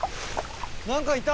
何かいた。